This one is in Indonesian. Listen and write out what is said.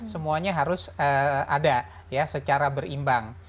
semuanya harus ada ya secara berimbang